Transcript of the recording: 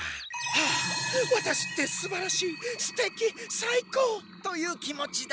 「ああワタシってすばらしいステキさいこう！」という気持ちだ。